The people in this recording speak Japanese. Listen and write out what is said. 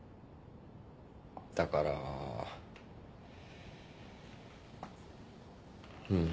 だからうん。